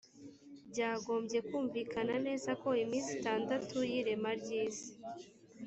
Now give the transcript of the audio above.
byagombye kumvikana neza ko iminsi itandatu y’irema ry’isi